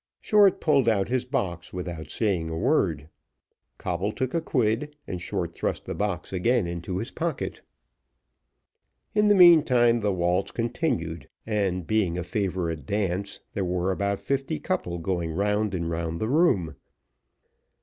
Short pulled out his box without saying a word. Coble took a quid, and Short thrust the box again into his pocket. In the meantime the waltz continued, and being a favourite dance, there were about fifty couples going round and round the room.